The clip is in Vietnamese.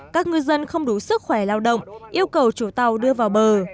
các ngư dân không đủ sức khỏe lao động yêu cầu chủ tàu đưa vào bờ